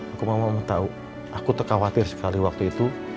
aku mau tau aku tak khawatir sekali waktu itu